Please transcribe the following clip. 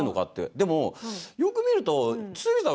でも、よく見ると堤さん